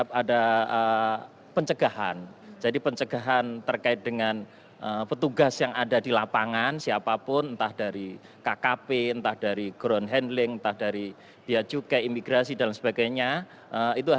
pernah datang dari negara yang terjangkit